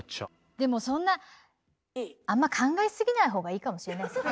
でもそんなあんま考えすぎないほうがいいかもしれないですよね。